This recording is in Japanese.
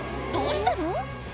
どうしたの？